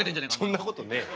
そんなことねえわ。